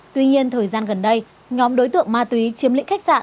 tuy nhiên thời gian gần đây nhóm đối tượng ma túy chiếm lĩnh khách sạn